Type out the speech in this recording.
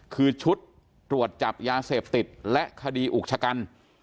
คือชุดตรวจจับยาเสพติดและคดีอุกชะกัน